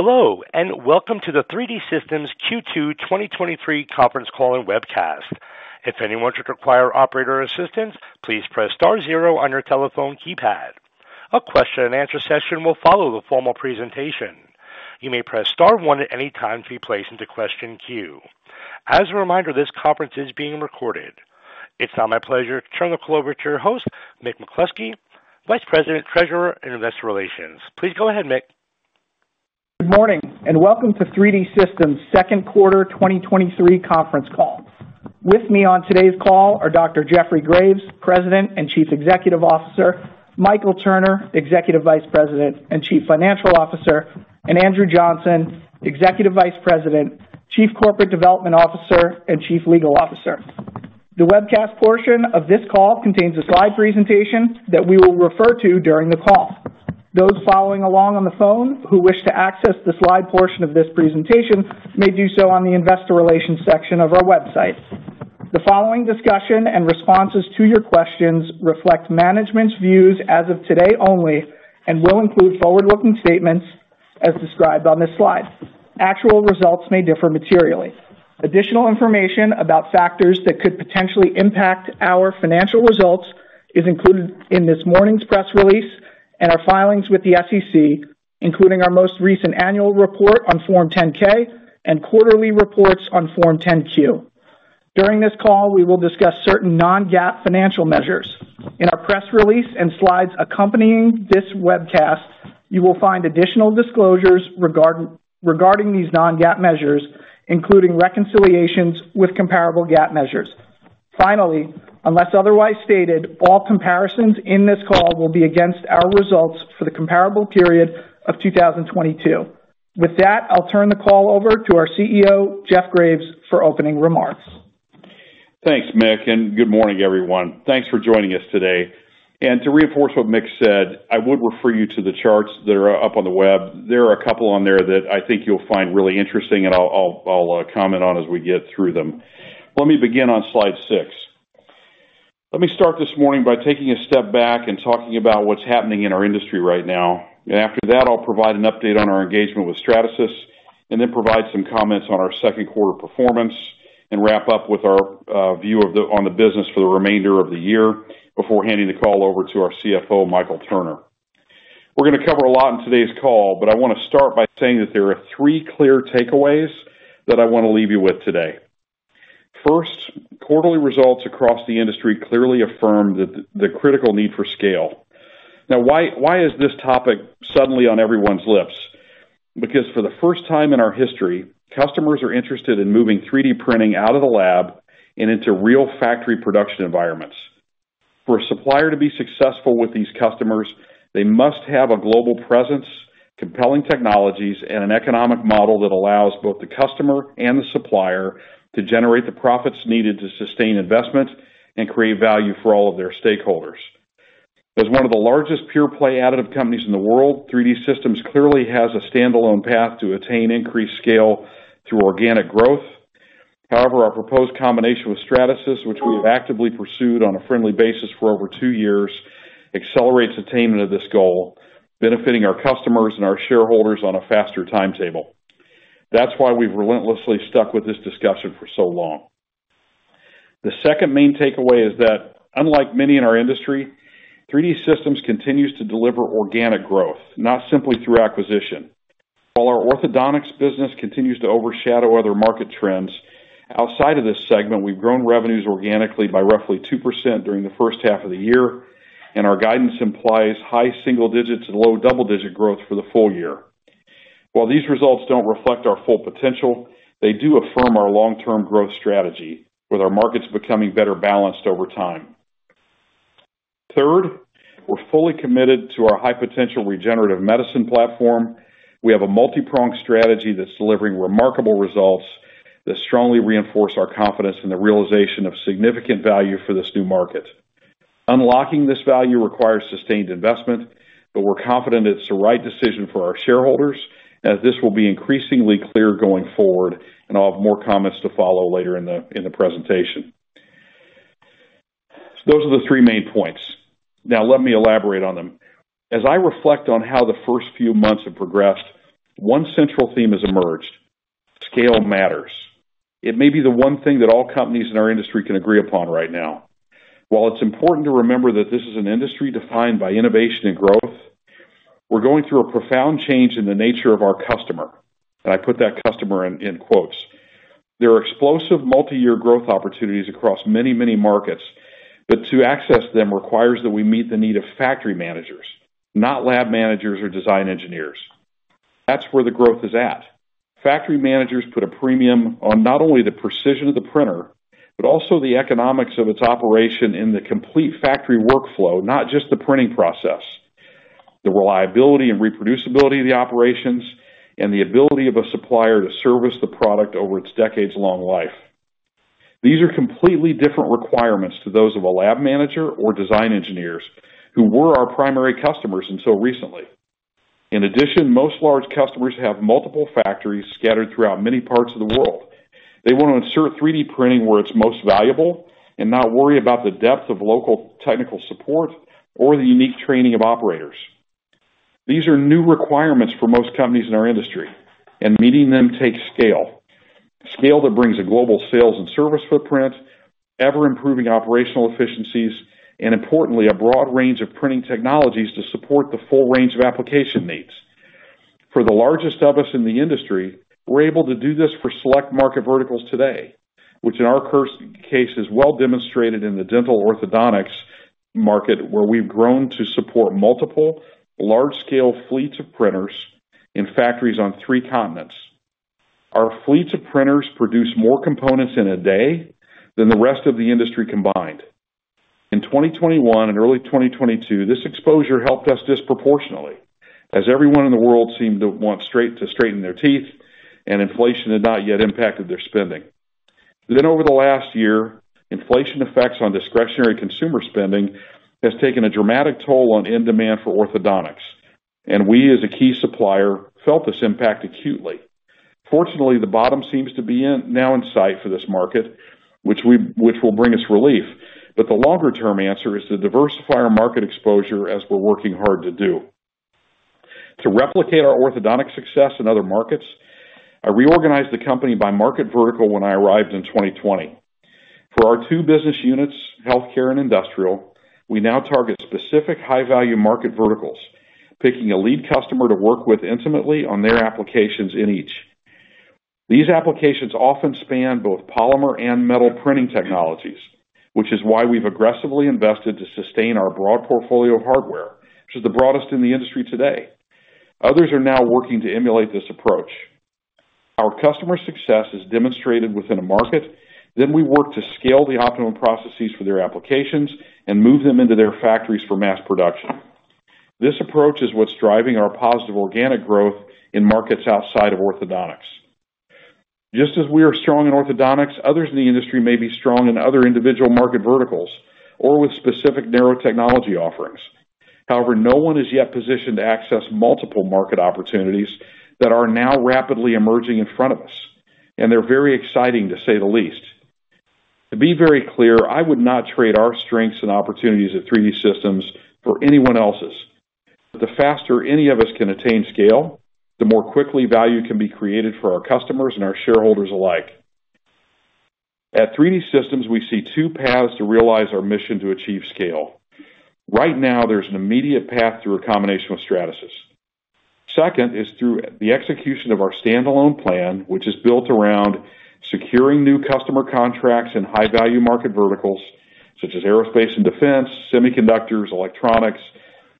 Hello, welcome to the 3D Systems Q2 2023 conference call and webcast. If anyone should require operator assistance, please press star zero on your telephone keypad. A question and answer session will follow the formal presentation. You may press star one at any time to be placed into question queue. As a reminder, this conference is being recorded. It's now my pleasure to turn the call over to your host, Mick McCloskey, Vice President, Treasurer, and Investor Relations. Please go ahead, Mick. Good morning, and welcome to 3D Systems' second quarter 2023 conference call. With me on today's call are Dr. Jeffrey Graves, President and Chief Executive Officer, Michael Turner, Executive Vice President and Chief Financial Officer, and Andrew Johnson, Executive Vice President, Chief Corporate Development Officer, and Chief Legal Officer. The webcast portion of this call contains a slide presentation that we will refer to during the call. Those following along on the phone who wish to access the slide portion of this presentation may do so on the Investor Relations section of our website. The following discussion and responses to your questions reflect management's views as of today only and will include forward-looking statements as described on this slide. Actual results may differ materially. Additional information about factors that could potentially impact our financial results is included in this morning's press release and our filings with the SEC, including our most recent annual report on Form 10-K and quarterly reports on Form 10-Q. During this call, we will discuss certain non-GAAP financial measures. In our press release and slides accompanying this webcast, you will find additional disclosures regarding these non-GAAP measures, including reconciliations with comparable GAAP measures. Unless otherwise stated, all comparisons in this call will be against our results for the comparable period of 2022. With that, I'll turn the call over to our CEO, Jeff Graves, for opening remarks. Thanks, Mick, good morning, everyone. Thanks for joining us today. To reinforce what Mick said, I would refer you to the charts that are up on the web. There are a couple on there that I think you'll find really interesting, and I'll comment on as we get through them. Let me begin on slide 6. Let me start this morning by taking a step back and talking about what's happening in our industry right now. After that, I'll provide an update on our engagement with Stratasys, and then provide some comments on our second quarter performance, and wrap up with our view of the on the business for the remainder of the year before handing the call over to our CFO, Michael Turner. We're gonna cover a lot in today's call, but I want to start by saying that there are three clear takeaways that I want to leave you with today. First, quarterly results across the industry clearly affirm that the critical need for scale. Now, why is this topic suddenly on everyone's lips? Because for the first time in our history, customers are interested in moving 3D printing out of the lab and into real factory production environments. For a supplier to be successful with these customers, they must have a global presence, compelling technologies, and an economic model that allows both the customer and the supplier to generate the profits needed to sustain investment and create value for all of their stakeholders. As one of the largest pure-play additive companies in the world, 3D Systems clearly has a standalone path to attain increased scale through organic growth. However, our proposed combination with Stratasys, which we've actively pursued on a friendly basis for over two years, accelerates attainment of this goal, benefiting our customers and our shareholders on a faster timetable. That's why we've relentlessly stuck with this discussion for so long. The second main takeaway is that, unlike many in our industry, 3D Systems continues to deliver organic growth, not simply through acquisition. While our orthodontics business continues to overshadow other market trends, outside of this segment, we've grown revenues organically by roughly 2% during the first half of the year, and our guidance implies high single digits and low double-digit growth for the full year. While these results don't reflect our full potential, they do affirm our long-term growth strategy, with our markets becoming better balanced over time. Third, we're fully committed to our high-potential regenerative medicine platform. We have a multi-pronged strategy that's delivering remarkable results that strongly reinforce our confidence in the realization of significant value for this new market. Unlocking this value requires sustained investment, we're confident it's the right decision for our shareholders, as this will be increasingly clear going forward, and I'll have more comments to follow later in the presentation. Those are the three main points. Now, let me elaborate on them. As I reflect on how the first few months have progressed, one central theme has emerged: scale matters. It may be the one thing that all companies in our industry can agree upon right now. While it's important to remember that this is an industry defined by innovation and growth, we're going through a profound change in the nature of our customer, and I put that customer in quotes. There are explosive multi-year growth opportunities across many, many markets, but to access them requires that we meet the need of factory managers, not lab managers or design engineers. That's where the growth is at. Factory managers put a premium on not only the precision of the printer, but also the economics of its operation in the complete factory workflow, not just the printing process, the reliability and reproducibility of the operations, and the ability of a supplier to service the product over its decades-long life. These are completely different requirements to those of a lab manager or design engineers, who were our primary customers until recently. In addition, most large customers have multiple factories scattered throughout many parts of the world. They want to insert 3D printing where it's most valuable, and not worry about the depth of local technical support or the unique training of operators. These are new requirements for most companies in our industry, and meeting them takes scale. Scale that brings a global sales and service footprint, ever-improving operational efficiencies, and importantly, a broad range of printing technologies to support the full range of application needs. For the largest of us in the industry, we're able to do this for select market verticals today, which in our case, is well demonstrated in the dental orthodontics market, where we've grown to support multiple large-scale fleets of printers in factories on three continents. Our fleets of printers produce more components in a day than the rest of the industry combined. In 2021 and early 2022, this exposure helped us disproportionately, as everyone in the world seemed to want to straighten their teeth, and inflation had not yet impacted their spending. Over the last year, inflation effects on discretionary consumer spending has taken a dramatic toll on end demand for orthodontics, and we, as a key supplier, felt this impact acutely. Fortunately, the bottom seems to be in, now in sight for this market, which will bring us relief. The longer-term answer is to diversify our market exposure as we're working hard to do. To replicate our orthodontic success in other markets, I reorganized the company by market vertical when I arrived in 2020. For our two business units, healthcare and industrial, we now target specific high-value market verticals, picking a lead customer to work with intimately on their applications in each. These applications often span both polymer and metal printing technologies, which is why we've aggressively invested to sustain our broad portfolio of hardware, which is the broadest in the industry today. Others are now working to emulate this approach. Our customer success is demonstrated within a market. We work to scale the optimal processes for their applications and move them into their factories for mass production. This approach is what's driving our positive organic growth in markets outside of orthodontics. Just as we are strong in orthodontics, others in the industry may be strong in other individual market verticals or with specific narrow technology offerings. However, no one is yet positioned to access multiple market opportunities that are now rapidly emerging in front of us, and they're very exciting, to say the least. To be very clear, I would not trade our strengths and opportunities at 3D Systems for anyone else's. The faster any of us can attain scale, the more quickly value can be created for our customers and our shareholders alike. At 3D Systems, we see two paths to realize our mission to achieve scale. Right now, there's an immediate path through a combination with Stratasys. Second, is through the execution of our standalone plan, which is built around securing new customer contracts in high-value market verticals, such as aerospace and defense, semiconductors, electronics,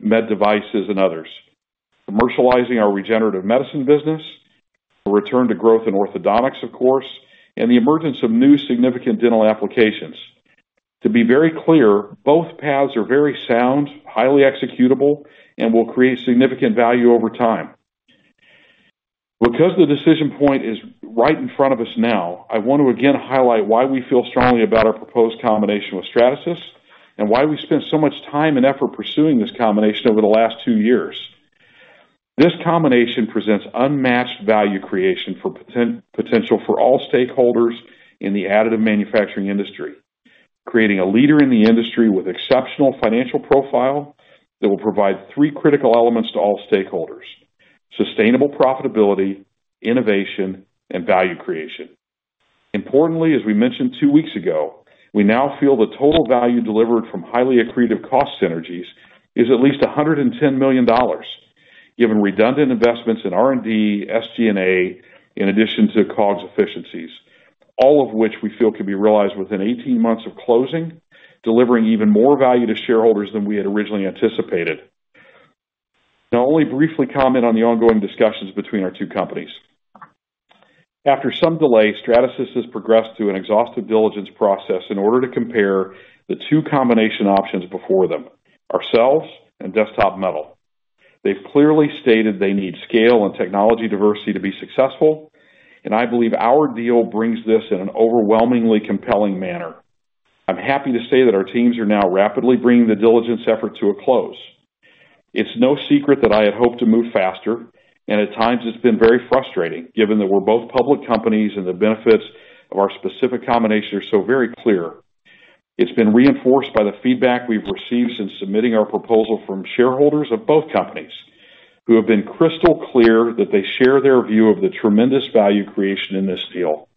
med devices, and others. Commercializing our regenerative medicine business, a return to growth in orthodontics, of course, and the emergence of new significant dental applications. To be very clear, both paths are very sound, highly executable, and will create significant value over time. Because the decision point is right in front of us now, I want to again highlight why we feel strongly about our proposed combination with Stratasys, and why we spent so much time and effort pursuing this combination over the last two years. This combination presents unmatched value creation for potential for all stakeholders in the additive manufacturing industry, creating a leader in the industry with exceptional financial profile that will provide three critical elements to all stakeholders: sustainable profitability, innovation, and value creation. Importantly, as we mentioned two weeks ago, we now feel the total value delivered from highly accretive cost synergies is at least $110 million, given redundant investments in R&D, SG&A, in addition to COGS efficiencies, all of which we feel could be realized within 18 months of closing, delivering even more value to shareholders than we had originally anticipated. Now, only briefly comment on the ongoing discussions between our two companies. After some delay, Stratasys has progressed through an exhaustive diligence process in order to compare the two combination options before them, ourselves and Desktop Metal. They've clearly stated they need scale and technology diversity to be successful, and I believe our deal brings this in an overwhelmingly compelling manner. I'm happy to say that our teams are now rapidly bringing the diligence effort to a close. It's no secret that I had hoped to move faster, and at times it's been very frustrating, given that we're both public companies and the benefits of our specific combination are so very clear. It's been reinforced by the feedback we've received since submitting our proposal from shareholders of both companies, who have been crystal clear that they share their view of the tremendous value creation in this deal.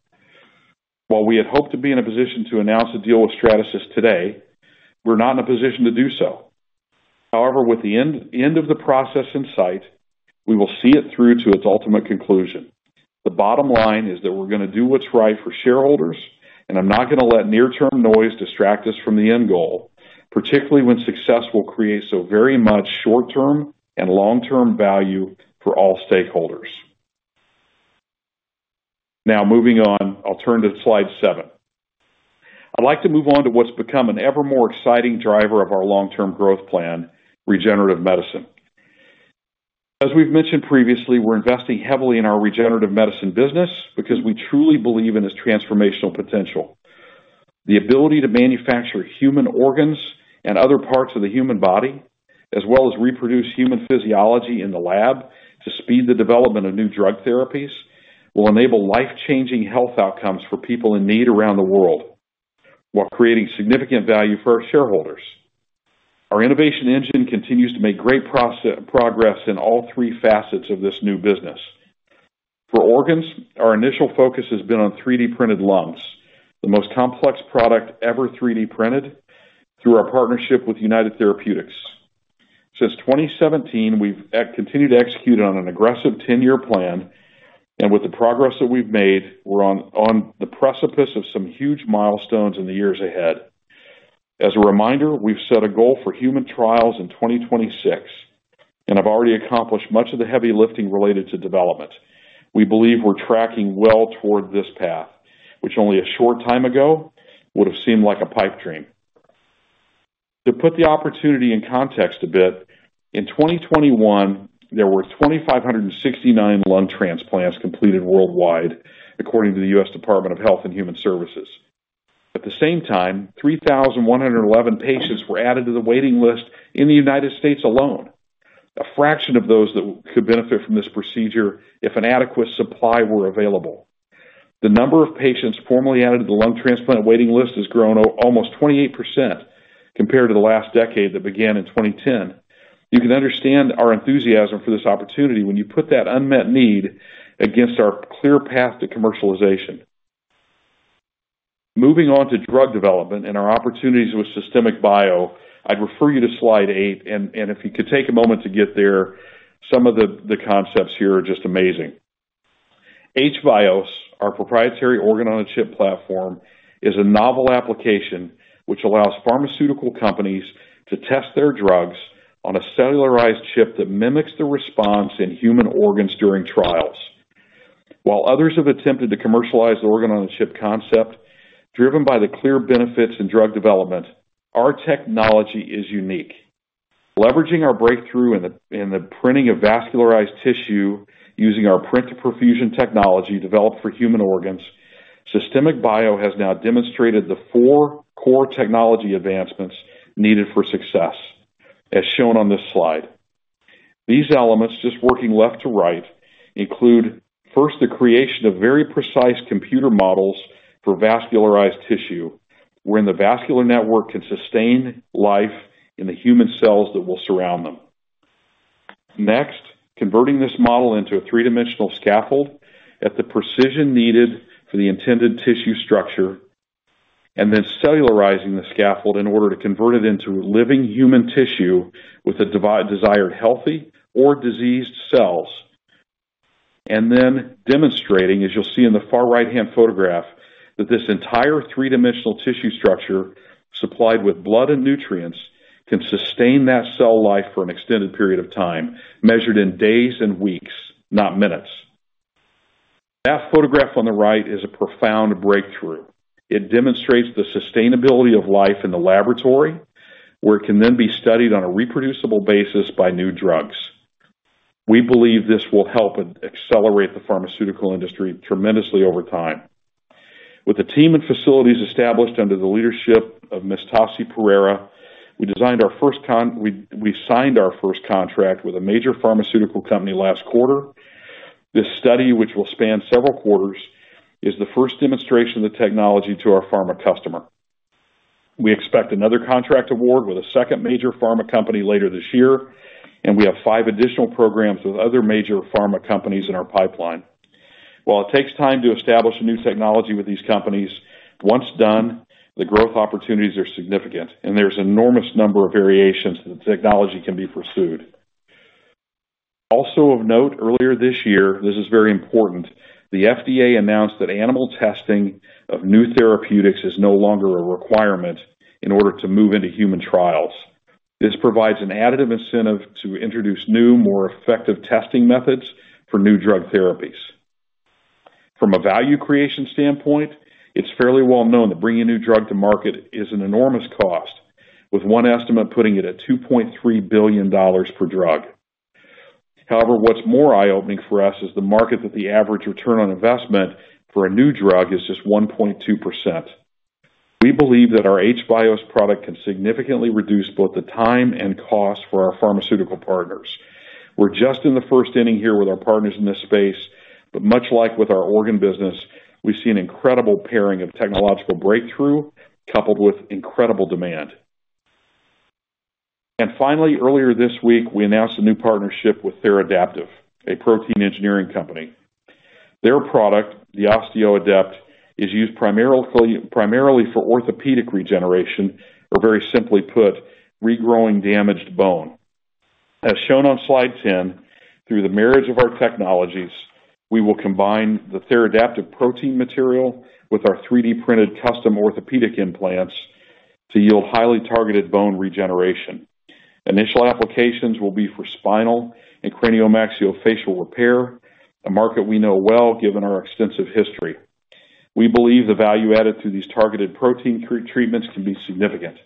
While we had hoped to be in a position to announce a deal with Stratasys today, we're not in a position to do so. However, with the end of the process in sight, we will see it through to its ultimate conclusion. The bottom line is that we're going to do what's right for shareholders, and I'm not going to let near-term noise distract us from the end goal, particularly when success will create so very much short-term and long-term value for all stakeholders. Now, moving on, I'll turn to slide seven. I'd like to move on to what's become an ever more exciting driver of our long-term growth plan: regenerative medicine. As we've mentioned previously, we're investing heavily in our regenerative medicine business because we truly believe in its transformational potential. The ability to manufacture human organs and other parts of the human body, as well as reproduce human physiology in the lab to speed the development of new drug therapies, will enable life-changing health outcomes for people in need around the world, while creating significant value for our shareholders. Our innovation engine continues to make great progress in all three facets of this new business. For organs, our initial focus has been on 3D printed lungs, the most complex product ever 3D printed through our partnership with United Therapeutics. Since 2017, we've continued to execute on an aggressive ten-year plan, and with the progress that we've made, we're on, on the precipice of some huge milestones in the years ahead. As a reminder, we've set a goal for human trials in 2026, and have already accomplished much of the heavy lifting related to development. We believe we're tracking well toward this path, which only a short time ago would have seemed like a pipe dream. To put the opportunity in context a bit, in 2021, there were 2,569 lung transplants completed worldwide, according to the US Department of Health and Human Services. At the same time, 3,111 patients were added to the waiting list in the United States alone, a fraction of those that could benefit from this procedure if an adequate supply were available. The number of patients formally added to the lung transplant waiting list has grown almost 28% compared to the last decade that began in 2010. You can understand our enthusiasm for this opportunity when you put that unmet need against our clear path to commercialization. Moving on to drug development and our opportunities with Systemic Bio, I'd refer you to slide 8, and if you could take a moment to get there. Some of the concepts here are just amazing. h-VIOS, our proprietary organ-on-a-chip platform, is a novel application which allows pharmaceutical companies to test their drugs on a cellularized chip that mimics the response in human organs during trials. While others have attempted to commercialize the organ-on-a-chip concept, driven by the clear benefits in drug development, our technology is unique. Leveraging our breakthrough in the printing of vascularized tissue using our Print to Perfusion technology developed for human organs, Systemic Bio has now demonstrated the 4 core technology advancements needed for success, as shown on this slide. These elements, just working left to right, include, first, the creation of very precise computer models for vascularized tissue, wherein the vascular network can sustain life in the human cells that will surround them. Converting this model into a three-dimensional scaffold at the precision needed for the intended tissue structure, then cellularizing the scaffold in order to convert it into living human tissue with the desired healthy or diseased cells. Then demonstrating, as you'll see in the far right-hand photograph, that this entire three-dimensional tissue structure, supplied with blood and nutrients, can sustain that cell life for an extended period of time, measured in days and weeks, not minutes. That photograph on the right is a profound breakthrough. It demonstrates the sustainability of life in the laboratory, where it can then be studied on a reproducible basis by new drugs. We believe this will help accelerate the pharmaceutical industry tremendously over time. With the team and facilities established under the leadership of Miss Tasi Perera, we signed our first contract with a major pharmaceutical company last quarter. This study, which will span several quarters, is the first demonstration of the technology to our pharma customer. We expect another contract award with a second major pharma company later this year, and we have five additional programs with other major pharma companies in our pipeline. While it takes time to establish a new technology with these companies, once done, the growth opportunities are significant, and there's enormous number of variations that the technology can be pursued. Of note, earlier this year, this is very important, the FDA announced that animal testing of new therapeutics is no longer a requirement in order to move into human trials. This provides an additive incentive to introduce new, more effective testing methods for new drug therapies. From a value creation standpoint, it's fairly well known that bringing a new drug to market is an enormous cost, with one estimate putting it at $2.3 billion per drug. However, what's more eye-opening for us is the market that the average ROI for a new drug is just 1.2%. We believe that our h-VIOS product can significantly reduce both the time and cost for our pharmaceutical partners. We're just in the first inning here with our partners in this space, but much like with our organ business, we see an incredible pairing of technological breakthrough coupled with incredible demand. Finally, earlier this week, we announced a new partnership with Theradaptive, a protein engineering company. Their product, the OsteoAdapt, is used primarily, primarily for orthopedic regeneration, or very simply put, regrowing damaged bone. As shown on slide 10, through the marriage of our technologies, we will combine the Theradaptive protein material with our 3D printed custom orthopedic implants to yield highly targeted bone regeneration. Initial applications will be for spinal and cranio-maxillofacial repair, a market we know well, given our extensive history. We believe the value added to these targeted protein treatments can be significant.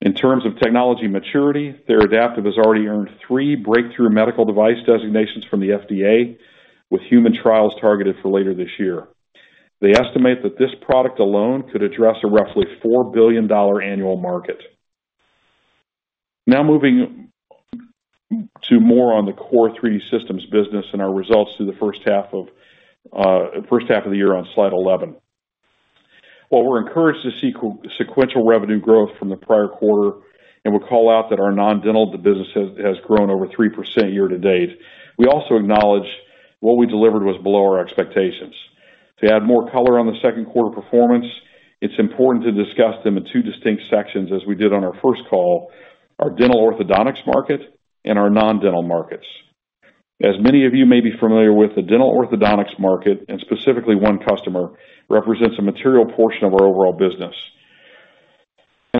In terms of technology maturity, Theradaptive has already earned three Breakthrough Medical Device designations from the FDA, with human trials targeted for later this year. They estimate that this product alone could address a roughly $4 billion annual market. Now moving to more on the core 3D Systems business and our results through the first half of the year on slide 11. While we're encouraged to see sequential revenue growth from the prior quarter, and we'll call out that our non-dental, the business has grown over 3% year to date, we also acknowledge what we delivered was below our expectations. To add more color on the second quarter performance, it's important to discuss them in 2 distinct sections, as we did on our first call: our dental orthodontics market and our non-dental markets. As many of you may be familiar with, the dental orthodontics market, and specifically 1 customer, represents a material portion of our overall business.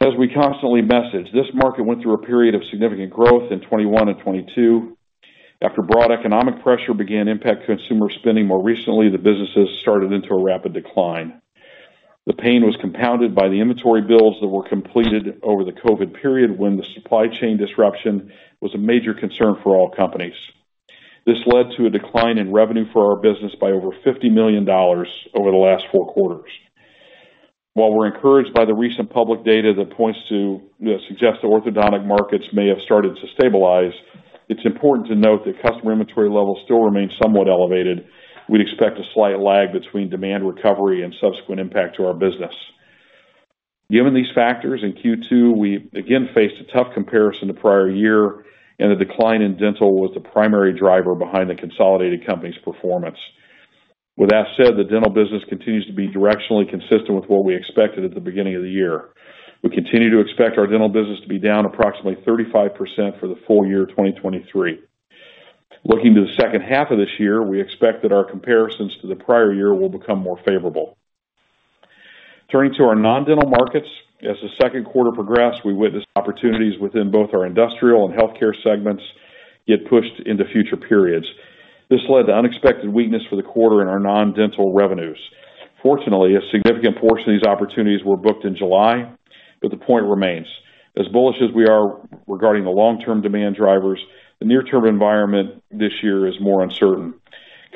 As we constantly message, this market went through a period of significant growth in 2021 and 2022. After broad economic pressure began to impact consumer spending more recently, the businesses started into a rapid decline. The pain was compounded by the inventory builds that were completed over the COVID period, when the supply chain disruption was a major concern for all companies. This led to a decline in revenue for our business by over $50 million over the last 4 quarters. While we're encouraged by the recent public data that points to, you know, suggests orthodontic markets may have started to stabilize, it's important to note that customer inventory levels still remain somewhat elevated. We'd expect a slight lag between demand recovery and subsequent impact to our business. Given these factors, in Q2, we again faced a tough comparison to prior year, and the decline in dental was the primary driver behind the consolidated company's performance. With that said, the dental business continues to be directionally consistent with what we expected at the beginning of the year. We continue to expect our dental business to be down approximately 35% for the full year 2023. Looking to the second half of this year, we expect that our comparisons to the prior year will become more favorable. Turning to our non-dental markets, as the second quarter progressed, we witnessed opportunities within both our industrial and healthcare segments get pushed into future periods. This led to unexpected weakness for the quarter in our non-dental revenues. Fortunately, a significant portion of these opportunities were booked in July, but the point remains, as bullish as we are regarding the long-term demand drivers, the near-term environment this year is more uncertain.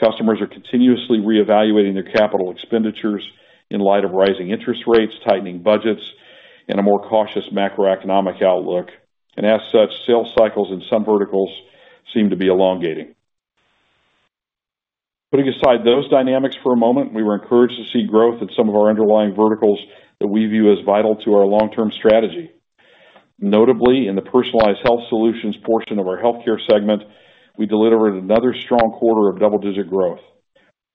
Customers are continuously reevaluating their capital expenditures in light of rising interest rates, tightening budgets, and a more cautious macroeconomic outlook. As such, sales cycles in some verticals seem to be elongating. Putting aside those dynamics for a moment, we were encouraged to see growth in some of our underlying verticals that we view as vital to our long-term strategy. Notably, in the Personalized Healthcare Solutions portion of our healthcare segment, we delivered another strong quarter of double-digit growth.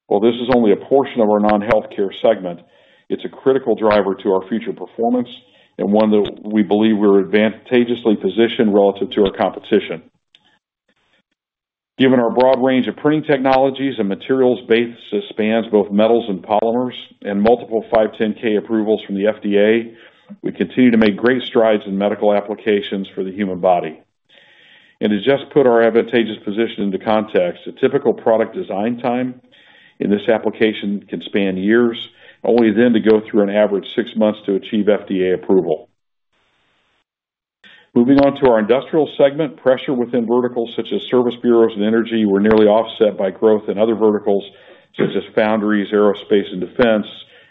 While this is only a portion of our non-healthcare segment, it's a critical driver to our future performance and one that we believe we're advantageously positioned relative to our competition. Given our broad range of printing technologies and materials base that spans both metals and polymers, and multiple 510(k) approvals from the FDA, we continue to make great strides in medical applications for the human body. To just put our advantageous position into context, a typical product design time in this application can span years, only then to go through an average six months to achieve FDA approval. Moving on to our industrial segment, pressure within verticals such as service bureaus and energy, were nearly offset by growth in other verticals such as foundries, aerospace and defense,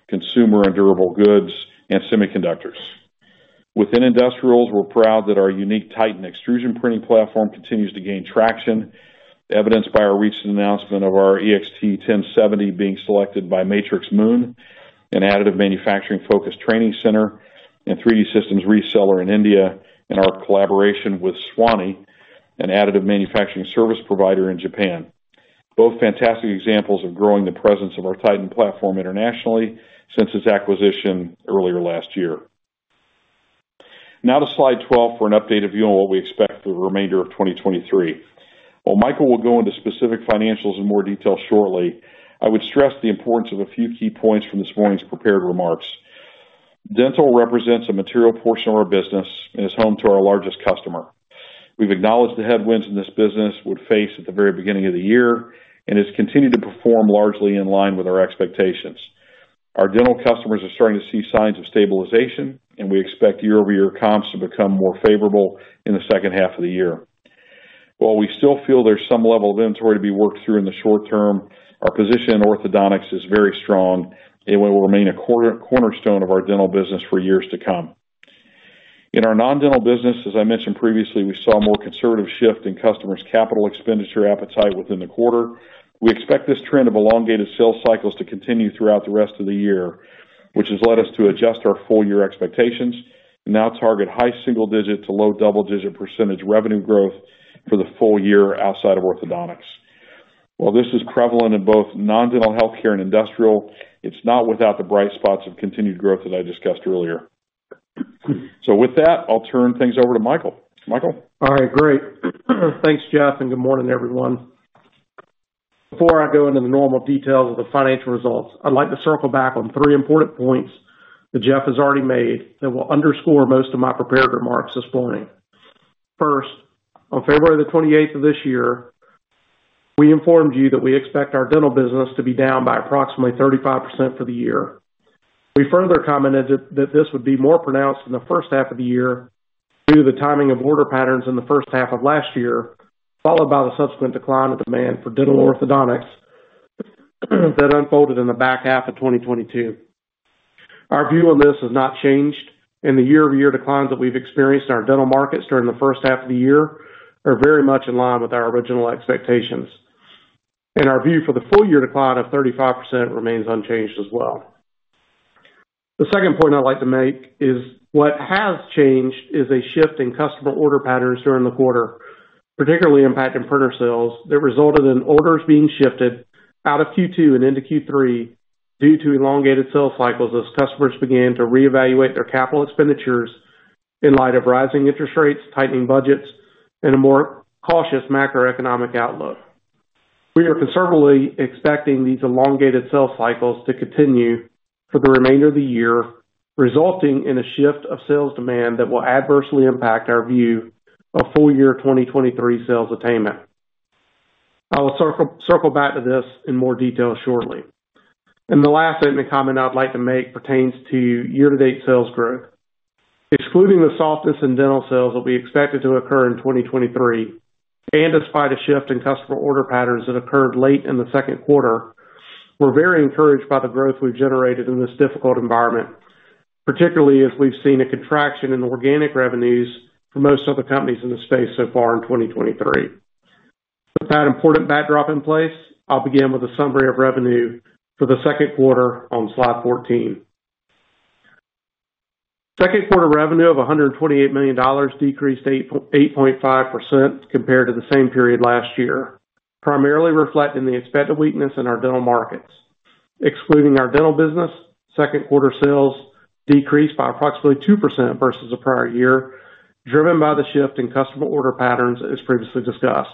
consumer and durable goods, and semiconductors. Within industrials, we're proud that our unique Titan extrusion printing platform continues to gain traction, evidenced by our recent announcement of our EXT 1070 being selected by Matrix Moon, an additive manufacturing-focused training center and 3D Systems reseller in India, and our collaboration with SWANY, an additive manufacturing service provider in Japan. Both fantastic examples of growing the presence of our Titan platform internationally since its acquisition earlier last year. Now to slide 12 for an updated view on what we expect for the remainder of 2023. While Michael will go into specific financials in more detail shortly, I would stress the importance of a few key points from this morning's prepared remarks. Dental represents a material portion of our business and is home to our largest customer. We've acknowledged the headwinds in this business would face at the very beginning of the year, and has continued to perform largely in line with our expectations. Our dental customers are starting to see signs of stabilization, and we expect year-over-year comps to become more favorable in the second half of the year. While we still feel there's some level of inventory to be worked through in the short term, our position in orthodontics is very strong, and it will remain a cornerstone of our dental business for years to come. In our non-dental business, as I mentioned previously, we saw a more conservative shift in customers' capital expenditure appetite within the quarter. We expect this trend of elongated sales cycles to continue throughout the rest of the year, which has led us to adjust our full year expectations and now target high single-digit to low double-digit % revenue growth for the full year outside of orthodontics. While this is prevalent in both non-dental healthcare and industrial, it's not without the bright spots of continued growth that I discussed earlier. With that, I'll turn things over to Michael. Michael? All right, great. Thanks, Jeff, and good morning, everyone. Before I go into the normal details of the financial results, I'd like to circle back on three important points that Jeff has already made that will underscore most of my prepared remarks this morning. First, on February 28th of this year we informed you that we expect our dental business to be down by approximately 35% for the year. We further commented that this would be more pronounced in the first half of the year, due to the timing of order patterns in the first half of last year, followed by the subsequent decline of demand for dental orthodontics, that unfolded in the back half of 2022. Our view on this has not changed, and the year-over-year declines that we've experienced in our dental markets during the first half of the year, are very much in line with our original expectations. Our view for the full year decline of 35% remains unchanged as well. The second point I'd like to make is, what has changed is a shift in customer order patterns during the quarter, particularly impacting printer sales, that resulted in orders being shifted out of Q2 and into Q3, due to elongated sales cycles, as customers began to reevaluate their capital expenditures in light of rising interest rates, tightening budgets, and a more cautious macroeconomic outlook. We are conservatively expecting these elongated sales cycles to continue for the remainder of the year, resulting in a shift of sales demand that will adversely impact our view of full year 2023 sales attainment. I will circle, circle back to this in more detail shortly. The last item and comment I'd like to make pertains to year-to-date sales growth. Excluding the softness in dental sales that we expected to occur in 2023, and despite a shift in customer order patterns that occurred late in the second quarter, we're very encouraged by the growth we've generated in this difficult environment, particularly as we've seen a contraction in organic revenues for most other companies in this space so far in 2023. With that important backdrop in place, I'll begin with a summary of revenue for the second quarter on slide 14. Second quarter revenue of $128 million decreased 8, 8.5% compared to the same period last year, primarily reflecting the expected weakness in our dental markets. Excluding our dental business, second quarter sales decreased by approximately 2% versus the prior year, driven by the shift in customer order patterns, as previously discussed.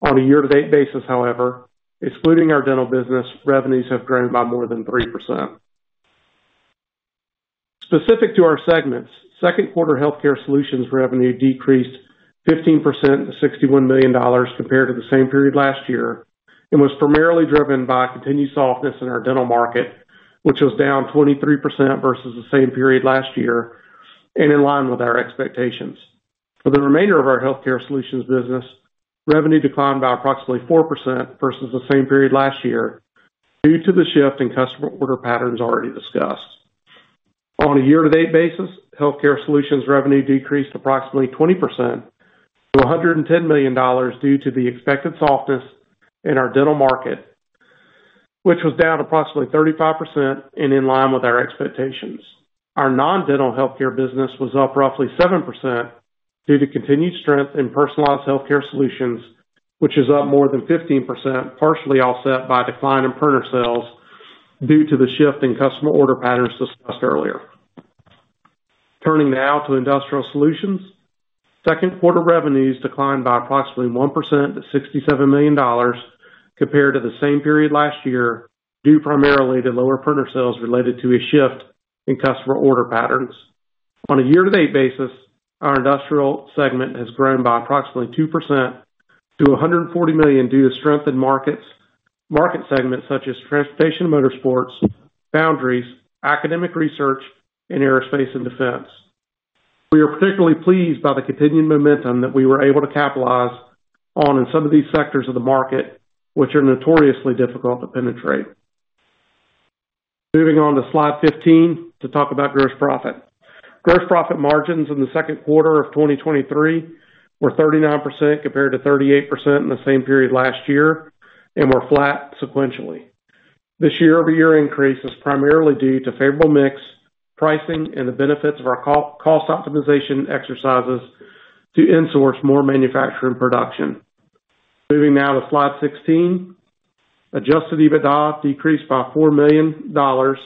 On a year-to-date basis, however, excluding our dental business, revenues have grown by more than 3%. Specific to our segments, second quarter Healthcare Solutions revenue decreased 15% to $61 million compared to the same period last year, and was primarily driven by continued softness in our dental market, which was down 23% versus the same period last year, and in line with our expectations. For the remainder of our Healthcare Solutions business, revenue declined by approximately 4% versus the same period last year, due to the shift in customer order patterns already discussed. On a year-to-date basis, Healthcare Solutions revenue decreased approximately 20% to $110 million, due to the expected softness in our dental market, which was down approximately 35% and in line with our expectations. Our non-dental healthcare business was up roughly 7%, due to continued strength in Personalized Healthcare Solutions, which is up more than 15%, partially offset by decline in printer sales due to the shift in customer order patterns discussed earlier. Turning now to Industrial Solutions. Second quarter revenues declined by approximately 1% to $67 million compared to the same period last year, due primarily to lower printer sales related to a shift in customer order patterns. On a year-to-date basis, our industrial segment has grown by approximately 2% to $140 million, due to strength in market segments such as transportation and motorsports, foundries, academic research, and aerospace and defense. We are particularly pleased by the continuing momentum that we were able to capitalize on in some of these sectors of the market, which are notoriously difficult to penetrate. Moving on to slide 15, to talk about gross profit. Gross profit margins in the second quarter of 2023 were 39% compared to 38% in the same period last year, and were flat sequentially. This year-over-year increase is primarily due to favorable mix, pricing, and the benefits of our cost optimization exercises to insource more manufacturing production. Moving now to slide 16. Adjusted EBITDA decreased by $4 million to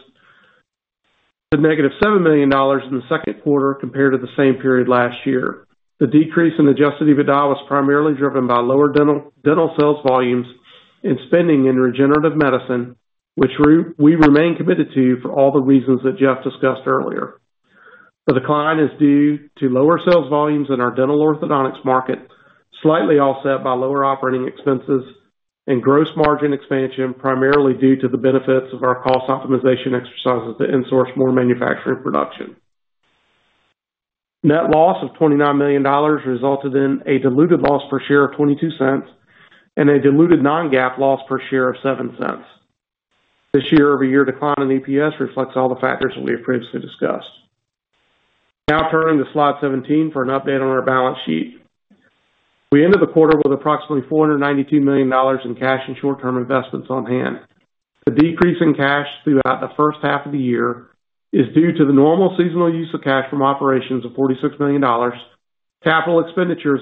-$7 million in the second quarter compared to the same period last year. The decrease in Adjusted EBITDA was primarily driven by lower dental, dental sales volumes and spending in regenerative medicine, which we remain committed to for all the reasons that Jeff discussed earlier. The decline is due to lower sales volumes in our dental orthodontics market, slightly offset by lower operating expenses and gross margin expansion, primarily due to the benefits of our cost optimization exercises to insource more manufacturing production. Net loss of $29 million resulted in a diluted loss per share of $0.22, and a diluted non-GAAP loss per share of $0.07. This year-over-year decline in EPS reflects all the factors that we have previously discussed. Turning to slide 17 for an update on our balance sheet. We ended the quarter with approximately $492 million in cash and short-term investments on hand. The decrease in cash throughout the first half of the year is due to the normal seasonal use of cash from operations of $46 million, CapEx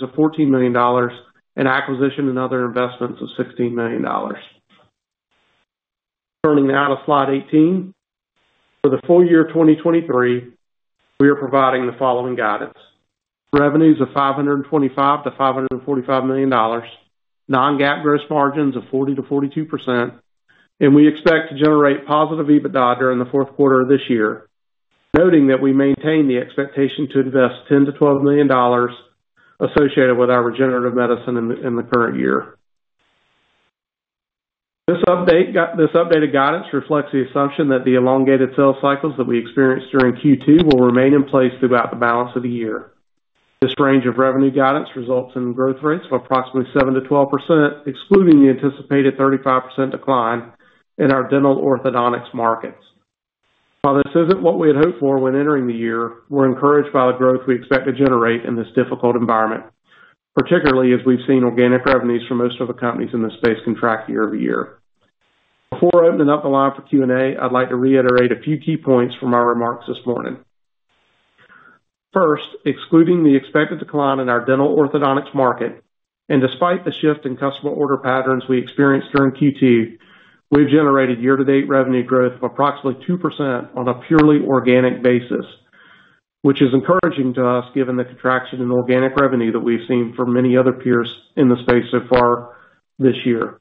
of $14 million, and acquisition and other investments of $16 million. Turning now to slide 18. For the full year 2023, we are providing the following guidance: Revenues of $525 million-$545 million, non-GAAP gross margins of 40%-42%, and we expect to generate positive EBITDA during the fourth quarter of this year, noting that we maintain the expectation to invest $10 million-$12 million associated with our regenerative medicine in the current year. This updated guidance reflects the assumption that the elongated sales cycles that we experienced during Q2 will remain in place throughout the balance of the year. This range of revenue guidance results in growth rates of approximately 7%-12%, excluding the anticipated 35% decline in our dental orthodontics markets. While this isn't what we had hoped for when entering the year, we're encouraged by the growth we expect to generate in this difficult environment, particularly as we've seen organic revenues for most of the companies in this space contract year-over-year. Before opening up the line for Q&A, I'd like to reiterate a few key points from our remarks this morning. First, excluding the expected decline in our dental orthodontics market, despite the shift in customer order patterns we experienced during Q2, we've generated year-to-date revenue growth of approximately 2% on a purely organic basis, which is encouraging to us, given the contraction in organic revenue that we've seen for many other peers in the space so far this year.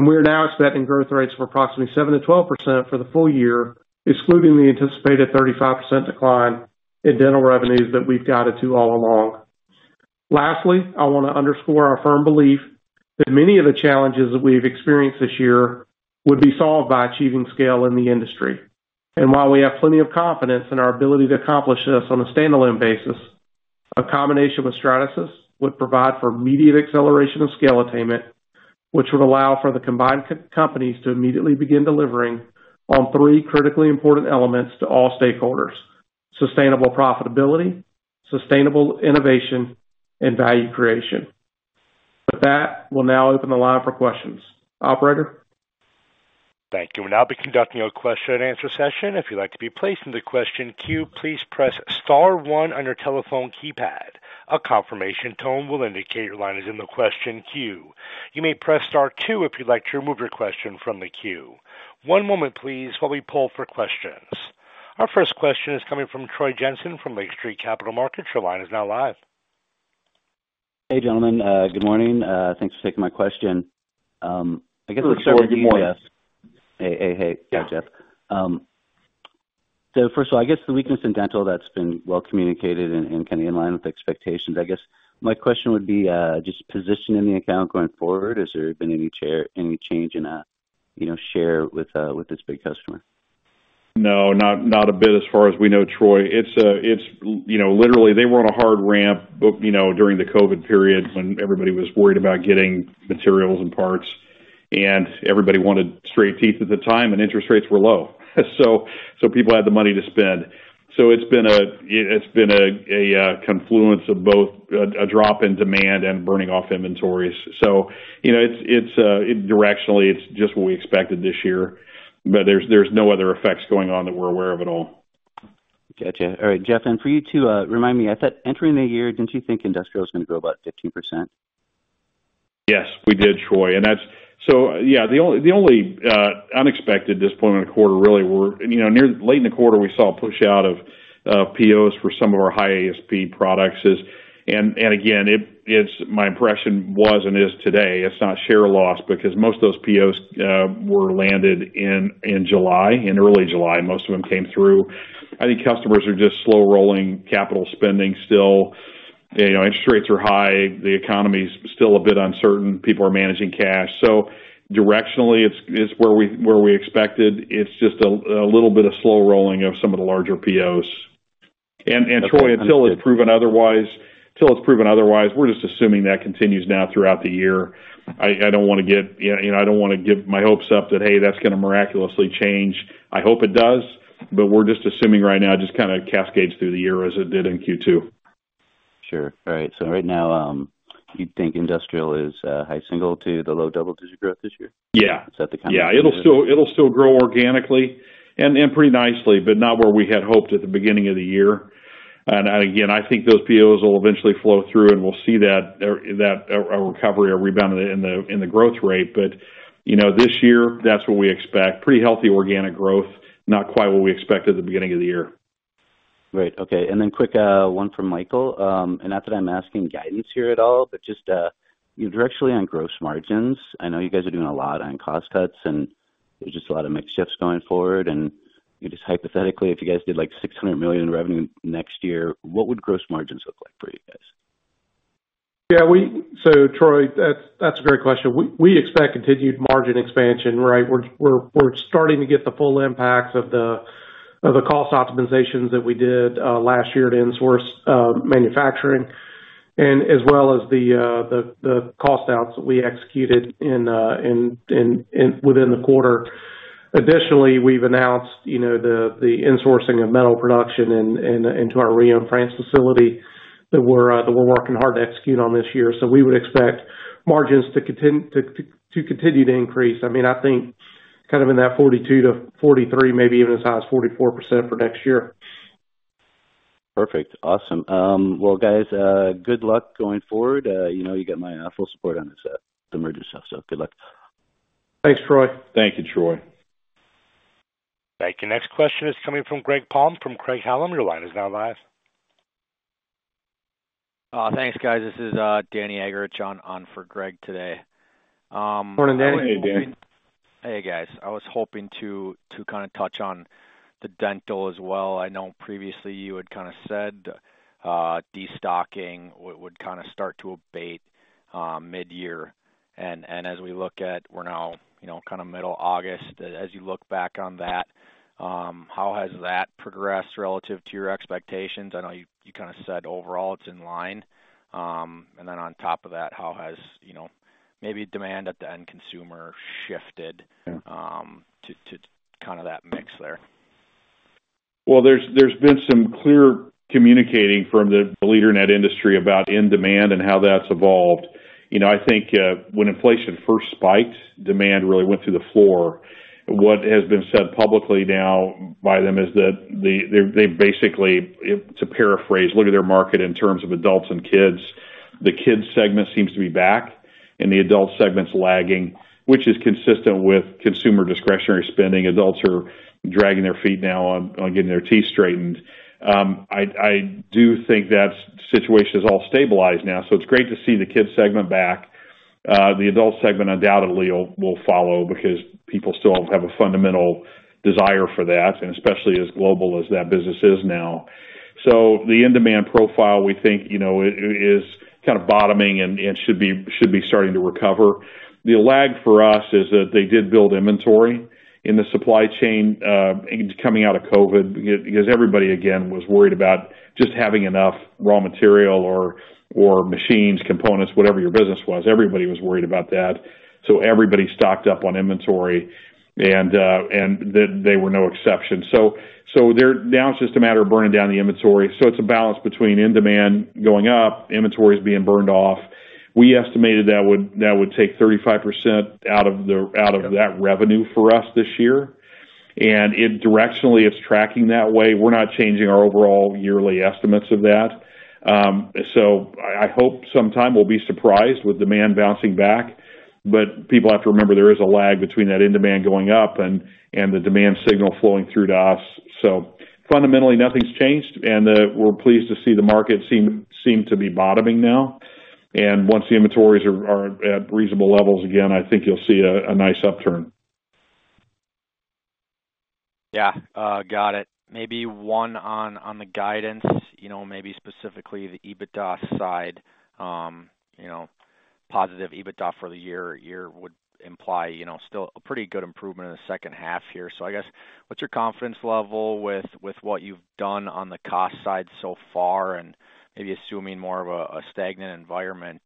We are now expecting growth rates of approximately 7%-12% for the full year, excluding the anticipated 35% decline in dental revenues that we've guided to all along. Lastly, I want to underscore our firm belief that many of the challenges that we've experienced this year would be solved by achieving scale in the industry. While we have plenty of confidence in our ability to accomplish this on a standalone basis, a combination with Stratasys would provide for immediate acceleration of scale attainment, which would allow for the combined companies to immediately begin delivering on three critically important elements to all stakeholders: sustainable profitability, sustainable innovation, and value creation. With that, we'll now open the line for questions. Operator? Thank you. We'll now be conducting a question and answer session. If you'd like to be placed in the question queue, please press star one on your telephone keypad. A confirmation tone will indicate your line is in the question queue. You may press star two if you'd like to remove your question from the queue. One moment please, while we pull for questions. Our first question is coming from Troy Jensen from Lake Street Capital Markets. Your line is now live. Hey, gentlemen, good morning. Thanks for taking my question. Good morning. Hey, hey. Hey, Jeff. First of all, I guess the weakness in dental, that's been well communicated and, and kind of in line with expectations. I guess my question would be, just positioning the account going forward. Has there been any chair, any change in, you know, share with, with this big customer? No, not, not a bit, as far as we know, Troy. It's, it's, you know, literally, they were on a hard ramp, but, you know, during the COVID period, when everybody was worried about getting materials and parts, and everybody wanted straight teeth at the time, and interest rates were low, so people had the money to spend. It's been a, it's been a, a confluence of both a, a drop in demand and burning off inventories. You know, it's, it's, directionally, it's just what we expected this year, but there's, there's no other effects going on that we're aware of at all. Gotcha. All right, Jeff, and for you, too, remind me, at that entering the year, didn't you think industrial was gonna grow about 15%? Yes, we did, Troy. That's, so yeah, the only, the only, unexpected disappointment quarter really were, you know, near. Late in the quarter, we saw a push out of POs for some of our high ASP products is. Again, it- it's my impression was, and is today, it's not share loss, because most of those POs were landed in July, in early July, most of them came through. I think customers are just slow rolling capital spending still. You know, interest rates are high, the economy's still a bit uncertain. People are managing cash. Directionally, it's, it's where we, where we expected. It's just a little bit of slow rolling of some of the larger POs. Troy. Okay. Until it's proven otherwise, till it's proven otherwise, we're just assuming that continues now throughout the year. I, I don't want to get, you know, I don't want to give my hopes up that, "Hey, that's gonna miraculously change." I hope it does. We're just assuming right now, just kind of cascades through the year as it did in Q2. Sure. All right, right now, you'd think industrial is high single to the low double digit growth this year? Yeah. Is that the kind of- Yeah, it'll still, it'll still grow organically and pretty nicely, but not where we had hoped at the beginning of the year. Again, I think those POs will eventually flow through, and we'll see that, that a recovery or rebound in the growth rate. You know, this year, that's what we expect. Pretty healthy organic growth, not quite what we expected at the beginning of the year. Great. Okay, then quick, one from Michael. Not that I'm asking guidance here at all, but just, you know, directionally on gross margins, I know you guys are doing a lot on cost cuts, and there's just a lot of mixed shifts going forward, and, you know, just hypothetically, if you guys did like $600 million in revenue next year, what would gross margins look like for you guys? Yeah, Troy, that's, that's a great question. We, we expect continued margin expansion, right? We're, we're, we're starting to get the full impacts of the, of the cost optimizations that we did last year to insource manufacturing, and as well as the, the, the cost outs that we executed within the quarter. Additionally, we've announced, you know, the, the insourcing of metal production in, in, into our Riom, France facility that we're that we're working hard to execute on this year. We would expect margins to continue to increase. I mean, I think kind of in that 42%-43%, maybe even as high as 44% for next year. Perfect. Awesome. Well, guys, good luck going forward. You know, you got my full support on this, the merger stuff, so good luck. Thanks, Troy. Thank you, Troy. Thank you. Next question is coming from Greg Palm from Craig-Hallum. Your line is now live. thanks, guys. This is, Danny Agger on, on for Greg today. Morning, Danny. Hey, Danny. Hey, guys. I was hoping to, to kind of touch on the dental as well. I know previously you had kind of said, destocking would kind of start to abate, mid-year. As we look at we're now, you know, kind of middle August, as you look back on that, how has that progressed relative to your expectations? I know you, you kind of said overall it's in line. Then on top of that, how has, you know, maybe demand at the end consumer shifted, to, to kind of that mix there? Well, there's, there's been some clear communicating from the leader in that industry about in demand and how that's evolved. You know, I think, when inflation first spiked, demand really went through the floor. What has been said publicly now by them is that they, they basically, it's a paraphrase, look at their market in terms of adults and kids. The kids segment seems to be back and the adult segment's lagging, which is consistent with consumer discretionary spending. Adults are dragging their feet now on, on getting their teeth straightened. I, I do think that situation is all stabilized now, so it's great to see the kids segment back. The adult segment undoubtedly will, will follow because people still have a fundamental desire for that, and especially as global as that business is now. The in-demand profile, we think, you know, is kind of bottoming and, and should be, should be starting to recover. The lag for us is that they did build inventory in the supply chain, coming out of COVID, because everybody, again, was worried about just having enough raw material or, or machines, components, whatever your business was. Everybody was worried about that, so everybody stocked up on inventory and, and they, they were no exception. Now, it's just a matter of burning down the inventory. It's a balance between in demand going up, inventories being burned off. We estimated that would, that would take 35% out of that revenue for us this year, and it directionally, it's tracking that way. We're not changing our overall yearly estimates of that. I, I hope sometime we'll be surprised with demand bouncing back. People have to remember there is a lag between that in demand going up and, and the demand signal flowing through to us. Fundamentally, nothing's changed, and we're pleased to see the market seem to be bottoming now. Once the inventories are at reasonable levels again, I think you'll see a nice upturn. Yeah, got it. Maybe one on, on the guidance, you know, maybe specifically the EBITDA side. You know, positive EBITDA for the year, year would imply, you know, still a pretty good improvement in the second half here. I guess, what's your confidence level with, with what you've done on the cost side so far? Maybe assuming more of a, a stagnant environment,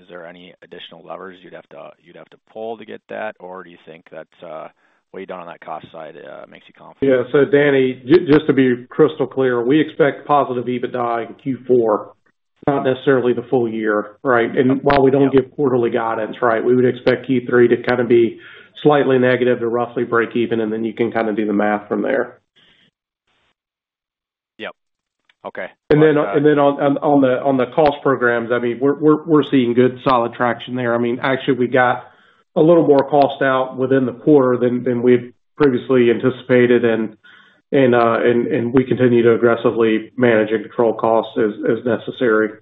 is there any additional levers you'd have to, you'd have to pull to get that? Do you think that's, what you've done on that cost side, makes you confident? Yeah. Danny, just to be crystal clear, we expect positive EBITDA in Q4, not necessarily the full year, right? While we don't give quarterly guidance, right, we would expect Q3 to kind of be slightly negative to roughly break even, and then you can kind of do the math from there. Yep. Okay. On, on, on the, on the cost programs, I mean, we're, we're, we're seeing good, solid traction there. I mean, actually, we got a little more cost out within the quarter than, than we had previously anticipated, and, and, and, and we continue to aggressively manage and control costs as, as necessary.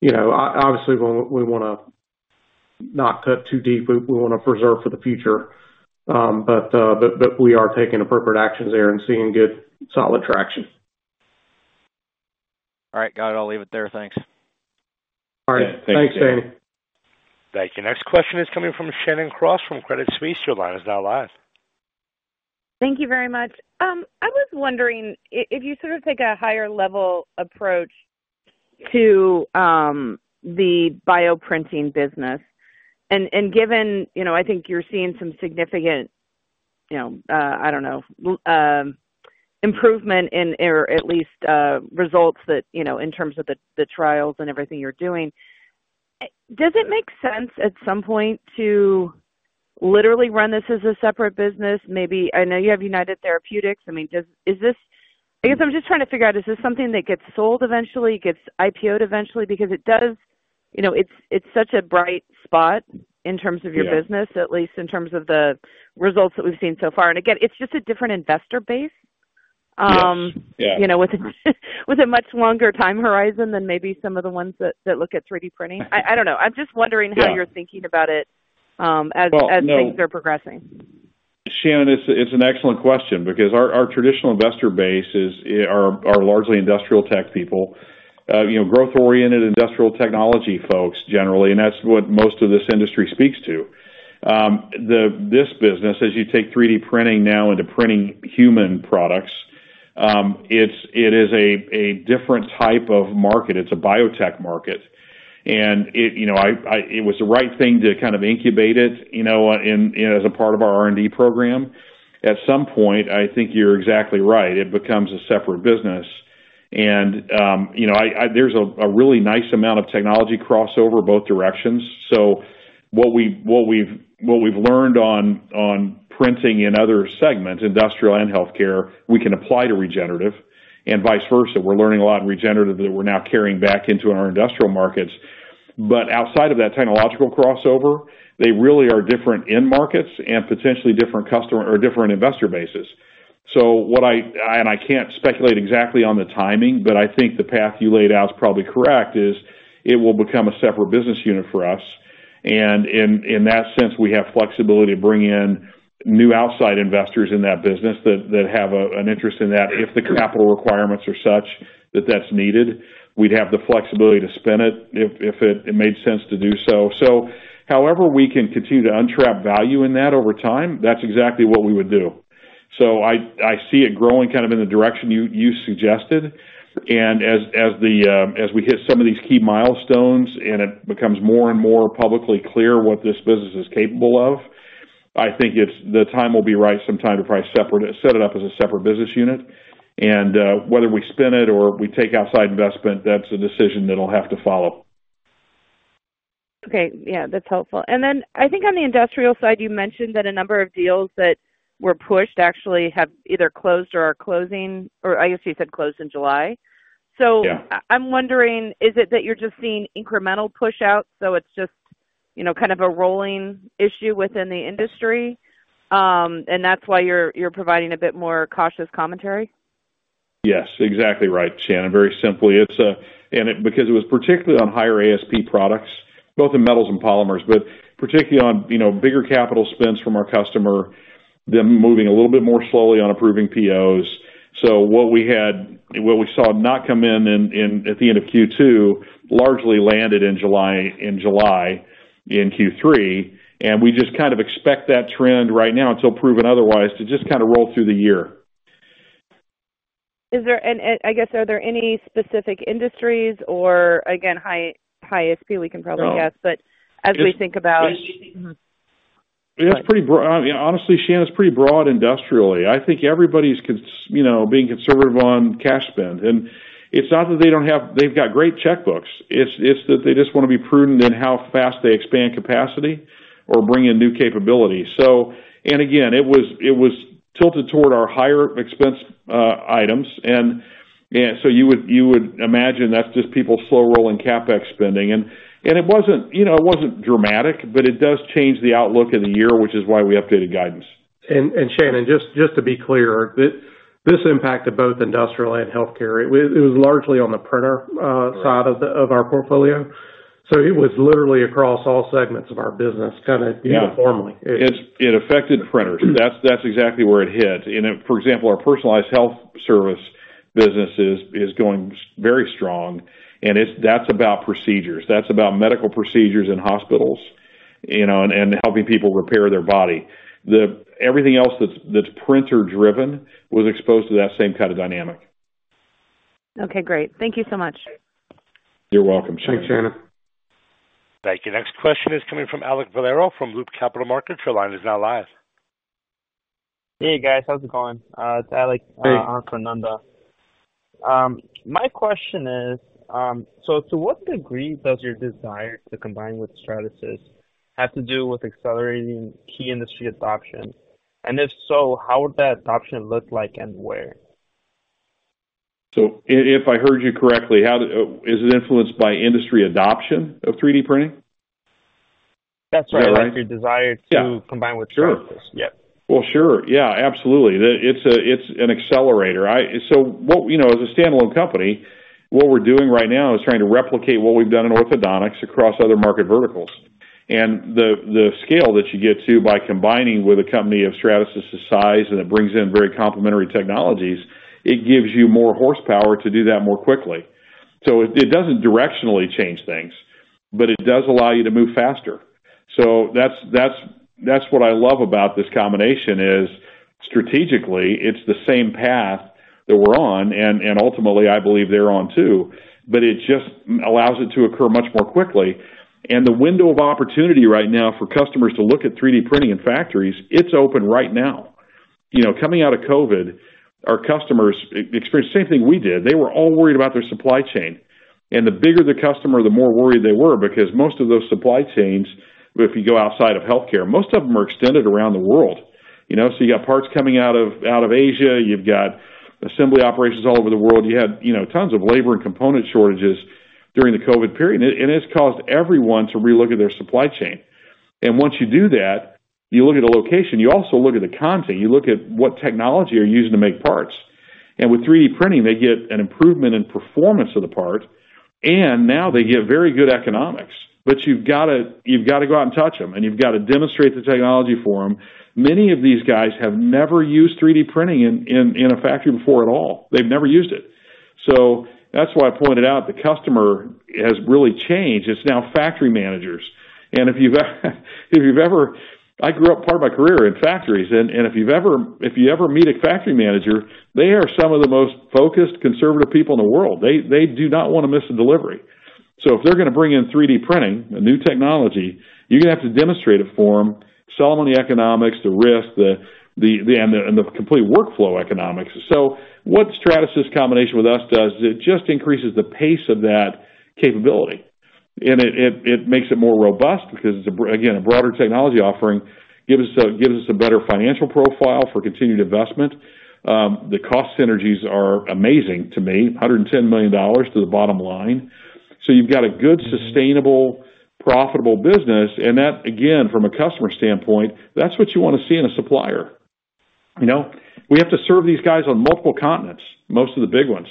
You know, obviously, we, we wanna not cut too deep. We, we wanna preserve for the future, but, but, but we are taking appropriate actions there and seeing good, solid traction. All right. Got it. I'll leave it there. Thanks. All right. Thanks, Danny. Thanks, Danny. Thank you. Next question is coming from Shannon Cross from Credit Suisse. Your line is now live. Thank you very much. I was wondering if you sort of take a higher level approach to the bioprinting business, and given, you know, I think you're seeing some significant, you know, I don't know, improvement in or at least, results that, you know, in terms of the, the trials and everything you're doing, does it make sense at some point to literally run this as a separate business? Maybe... I know you have United Therapeutics. I mean, is this- I guess I'm just trying to figure out, is this something that gets sold eventually, gets IPO'd eventually? It does, you know, it's, it's such a bright spot in terms of your business- Yeah... at least in terms of the results that we've seen so far. Again, it's just a different investor base. Yes. Yeah. You know, with a much longer time horizon than maybe some of the ones that, that look at 3D printing. I, I don't know. I'm just wondering- Yeah how you're thinking about it. Well, as things are progressing. Shannon, it's, it's an excellent question because our, our traditional investor base is, are, are largely industrial tech people. You know, growth-oriented industrial technology folks, generally, that's what most of this industry speaks to. This business, as you take 3D printing now into printing human products, it's, it is a, a different type of market. It's a biotech market, it, you know, I- it was the right thing to kind of incubate it, you know, in, you know, as a part of our R&D program. At some point, I think you're exactly right, it becomes a separate business. You know, I- there's a, a really nice amount of technology crossover both directions. What we've, what we've learned on, on printing in other segments, industrial and healthcare, we can apply to regenerative, and vice versa. We're learning a lot in regenerative that we're now carrying back into our industrial markets. Outside of that technological crossover, they really are different end markets and potentially different customer or different investor bases. What I, I can't speculate exactly on the timing, but I think the path you laid out is probably correct, is it will become a separate business unit for us. In that sense, we have flexibility to bring in new outside investors in that business that have a, an interest in that. If the capital requirements are such that that's needed, we'd have the flexibility to spin it if it made sense to do so. However we can continue to untrap value in that over time, that's exactly what we would do. I see it growing kind of in the direction you suggested. As, as the, as we hit some of these key milestones and it becomes more and more publicly clear what this business is capable of, I think the time will be right sometime to probably separate it, set it up as a separate business unit. Whether we spin it or we take outside investment, that's a decision that'll have to follow. Okay. Yeah, that's helpful. Then I think on the industrial side, you mentioned that a number of deals that were pushed actually have either closed or are closing, or I guess you said closed in July. Yeah. I- I'm wondering, is it that you're just seeing incremental pushout, so it's just, you know, kind of a rolling issue within the industry, and that's why you're, you're providing a bit more cautious commentary? Yes, exactly right, Shannon. Very simply, it's, And it, because it was particularly on higher ASP products, both in metals and polymers, but particularly on, you know, bigger capital spends from our customer, them moving a little bit more slowly on approving POs. So what we had, what we saw not come in, in, in, at the end of Q2, largely landed in July, in July, in Q3, and we just kind of expect that trend right now, until proven otherwise, to just kind of roll through the year. Is there... I guess, are there any specific industries or again, high, high ASP, we can probably guess, but as we think about- It's pretty broad. I mean, honestly, Shannon, it's pretty broad industrially. I think everybody's you know, being conservative on cash spend, and it's not that they don't have... They've got great checkbooks. It's, it's that they just want to be prudent in how fast they expand capacity or bring in new capabilities. Again, it was, it was tilted toward our higher expense items. And so you would, you would imagine that's just people slow rolling CapEx spending. And it wasn't, you know, it wasn't dramatic, but it does change the outlook of the year, which is why we updated guidance. Shannon, just, just to be clear, this impacted both Industrial and Healthcare. It was, it was largely on the printer side of our portfolio, so it was literally across all segments of our business, kind of. Yeah uniformly. It affected printers. That's exactly where it hit. For example, our personalized health service business is going very strong, and that's about procedures. That's about medical procedures in hospitals, you know, and helping people repair their body. Everything else that's printer driven was exposed to that same kind of dynamic. Okay, great. Thank you so much. You're welcome, Shannon. Thanks, Shannon. Thank you. Next question is coming from Alek Valero of Loop Capital Markets. Your line is now live. Hey, guys. How's it going? It's Alek. Hey. From Ananda. My question is, so to what degree does your desire to combine with Stratasys have to do with accelerating key industry adoption? If so, how would that adoption look like and where? If, if I heard you correctly, Is it influenced by industry adoption of 3D printing? That's right. Am I right? Your desire- Yeah to combine with Stratasys. Sure. Yep. Well, sure. Yeah, absolutely. It's an accelerator. What, you know, as a standalone company, what we're doing right now is trying to replicate what we've done in orthodontics across other market verticals. The scale that you get to by combining with a company of Stratasys's size, and it brings in very complementary technologies, it gives you more horsepower to do that more quickly. It doesn't directionally change things, but it does allow you to move faster. That's what I love about this combination, is strategically, it's the same path that we're on, and ultimately, I believe they're on too, but it just allows it to occur much more quickly. The window of opportunity right now for customers to look at 3D printing in factories, it's open right now. You know, coming out of COVID, our customers experienced the same thing we did. They were all worried about their supply chain, and the bigger the customer, the more worried they were, because most of those supply chains, if you go outside of healthcare, most of them are extended around the world, you know. You got parts coming out of, out of Asia, you've got assembly operations all over the world. You had, you know, tons of labor and component shortages during the COVID period, and it's caused everyone to relook at their supply chain. Once you do that, you look at the location, you also look at the content, you look at what technology you're using to make parts. With 3D printing, they get an improvement in performance of the part, and now they get very good economics. You've gotta, you've gotta go out and touch them, and you've got to demonstrate the technology for them. Many of these guys have never used 3D printing in, in, in a factory before at all. They've never used it. That's why I pointed out the customer has really changed. It's now factory managers. If you've ever... I grew up part of my career in factories, and if you ever meet a factory manager, they are some of the most focused, conservative people in the world. They do not want to miss a delivery. If they're gonna bring in 3D printing, a new technology, you're gonna have to demonstrate it for them, sell them on the economics, the risk, and the complete workflow economics. What Stratasys' combination with us does, is it just increases the pace of that capability, and it makes it more robust because it's again, a broader technology offering. Gives us a better financial profile for continued investment. The cost synergies are amazing to me, $110 million to the bottom line. You've got a good, sustainable profitable business, and that, again, from a customer standpoint, that's what you want to see in a supplier. You know, we have to serve these guys on multiple continents, most of the big ones,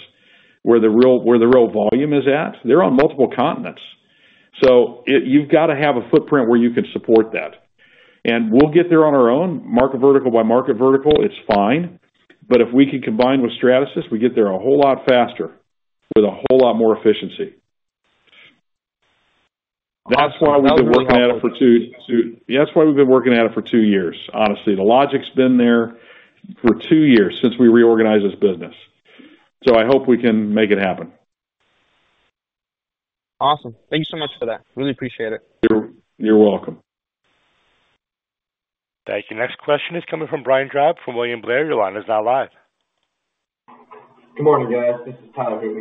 where the real, where the real volume is at, they're on multiple continents. You've got to have a footprint where you can support that. We'll get there on our own, market vertical by market vertical, it's fine. If we can combine with Stratasys, we get there a whole lot faster, with a whole lot more efficiency. That's why we've been working at it for 2 years. Honestly, the logic's been there for 2 years, since we reorganized this business. I hope we can make it happen. Awesome. Thank you so much for that. Really appreciate it. You're, you're welcome. Thank you. Next question is coming from Brian Drab, from William Blair. Your line is now live. Good morning, guys. This is Tyler... Good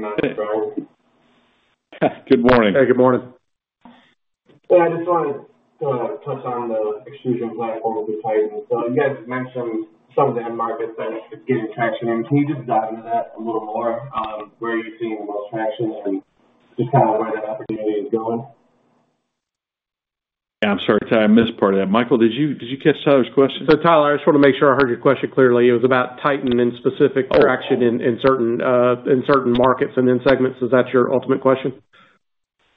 morning. Hey, good morning. Yeah, I just wanted to touch on the extrusion platform with Titan. You guys mentioned some of the end markets that it's getting traction in. Can you just dive into that a little more, where are you seeing the most traction and just kind of where that opportunity is going? Yeah, I'm sorry, Tyler, I missed part of that. Michael, did you, did you catch Tyler's question? Tyler, I just want to make sure I heard your question clearly. It was about Titan and specific traction in certain markets and in segments. Is that your ultimate question?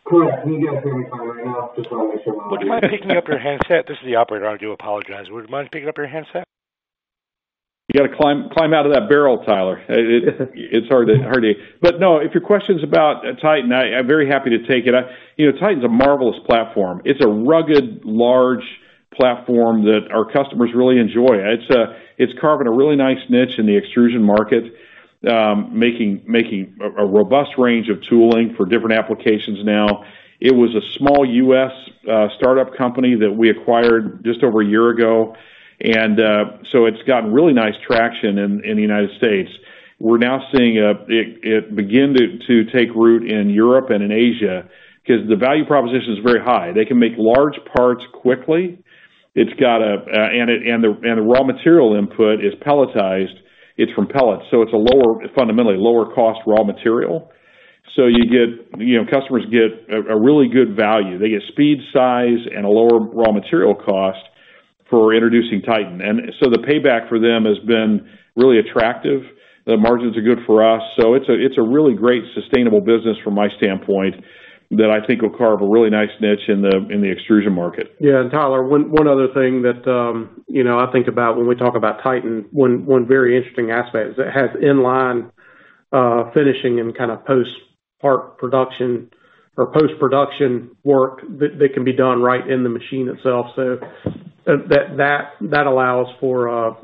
Correct. Can you guys hear me fine enough? Would you mind picking up your handset? This is the operator. I do apologize. Would you mind picking up your handset? You got to climb, climb out of that barrel, Tyler. It's hard to, hard to. No, if your question's about Titan, I, I'm very happy to take it. You know, Titan's a marvelous platform. It's a rugged, large platform that our customers really enjoy. It's carving a really nice niche in the extrusion market, making, making a, a robust range of tooling for different applications now. It was a small US startup company that we acquired just over a year ago, and so it's gotten really nice traction in the United States. We're now seeing it, it begin to, to take root in Europe and in Asia, 'cause the value proposition is very high. They can make large parts quickly. It's got a. The raw material input is pelletized. It's from pellets, so it's a lower, fundamentally lower cost raw material. You get, you know, customers get a, a really good value. They get speed, size, and a lower raw material cost for introducing Titan. The payback for them has been really attractive. The margins are good for us, so it's a, it's a really great sustainable business from my standpoint, that I think will carve a really nice niche in the, in the extrusion market. Yeah, Tyler, one, one other thing that, you know, I think about when we talk about Titan, one, one very interesting aspect is it has inline finishing and kind of post-part production or post-production work that, that can be done right in the machine itself. That, that, that allows for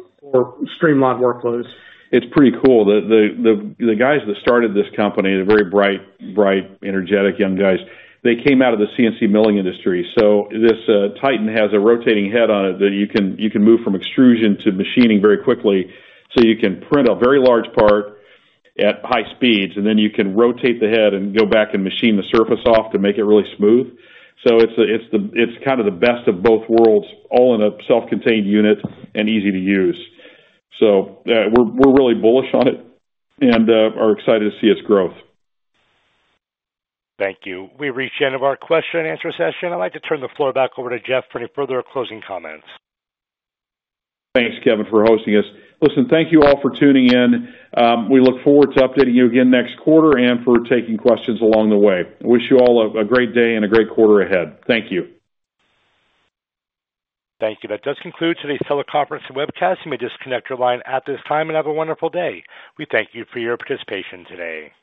streamlined workflows. It's pretty cool. The, the, the, the guys that started this company, they're very bright, bright, energetic, young guys. They came out of the CNC milling industry. This Titan has a rotating head on it that you can, you can move from extrusion to machining very quickly. You can print a very large part at high speeds, and then you can rotate the head and go back and machine the surface off to make it really smooth. It's a, it's the, it's kind of the best of both worlds, all in a self-contained unit and easy to use. We're, we're really bullish on it and are excited to see its growth. Thank you. We've reached the end of our question and answer session. I'd like to turn the floor back over to Jeff for any further closing comments. Thanks, Kevin, for hosting us. Listen, thank you all for tuning in. We look forward to updating you again next quarter and for taking questions along the way. I wish you all a great day and a great quarter ahead. Thank you. Thank you. That does conclude today's teleconference and webcast. You may disconnect your line at this time, and have a wonderful day. We thank you for your participation today.